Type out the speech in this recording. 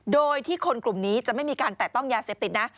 โดยที่คนกลุ่มนี้จะไม่มีการแตะต้องยาเสพติดนะ